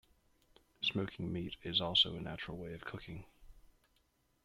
Smoking meat is also a natural way of cooking.